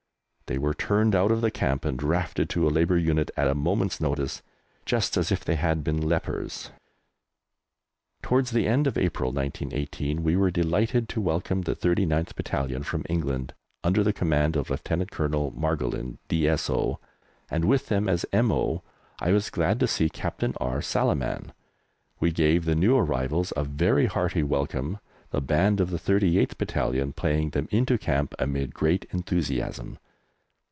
They were turned out of the camp and drafted to a Labour unit at a moment's notice, just as if they had been lepers. Towards the end of April, 1918, we were delighted to welcome the 39th Battalion from England, under the command of Lieut. Colonel Margolin, D.S.O., and with them as M.O. I was glad to see Captain R. Salaman. We gave the new arrivals a very hearty welcome, the band of the 38th Battalion playing them into Camp amid great enthusiasm.